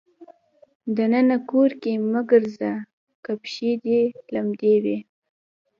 د ننه کور کې مه ګرځه که پښې دې لمدې وي.